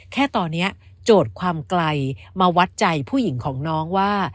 แค่ตอนนี้โจทย์ความไกลมาวัดใจผู้หญิงของน้องว่า